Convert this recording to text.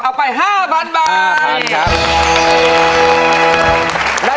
เอาไป๕พันบาท